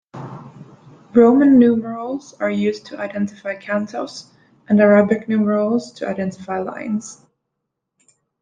Roman numerals are used to identify cantos and Arabic numerals to identify lines.